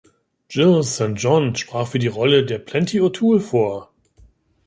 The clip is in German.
Jill St John sprach für die Rolle der Plenty O’Toole vor.